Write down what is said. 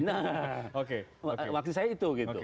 nah maksud saya itu